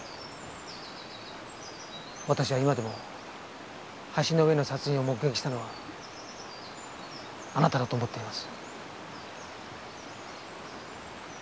私は今でも橋の上の殺人を目撃したのはあなただと思っています。